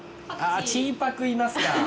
あぁチーパクいますか。